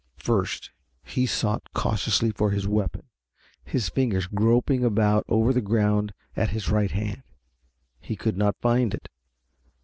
First he sought cautiously for his weapon, his fingers groping about over the ground at his right hand. He could not find it.